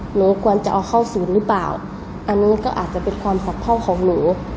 หนูควรจะเอาเข้าศูนย์หรือเปล่าอันนี้ก็อาจจะเป็นความหักพ่อของหนู